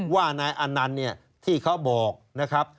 ว่านายอนันต์เนี่ยที่เขาบอกนะครับ